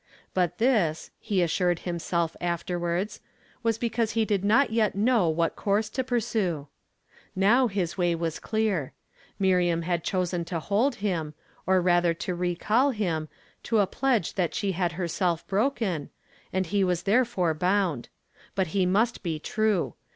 Bnt tins, he assui^d himself afterwards, was be eause he did not yet know what course to pu..ne. Now us way was clear. Miriam had chosen to hold hun, or rather to recall him, to a pledge that she had herself broken, and he was' thLfore bound; but he must be true.